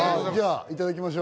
いただきましょう。